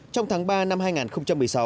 trong tháng ba năm hai nghìn một mươi sáu